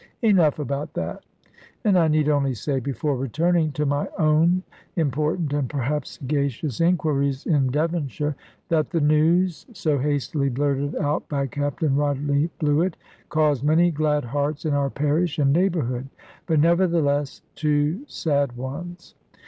Enough about that; and I need only say, before returning to my own important and perhaps sagacious inquiries in Devonshire, that the news, so hastily blurted out by Captain Rodney Bluett, caused many glad hearts in our parish and neighbourhood; but nevertheless two sad ones.